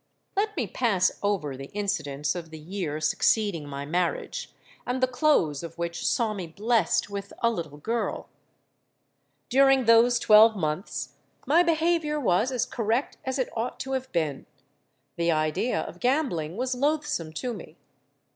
"Let me pass over the incidents of the year succeeding my marriage, and the close of which saw me blessed with a little girl. During those twelve months my behaviour was as correct as it ought to have been: the idea of gambling was loathsome to me.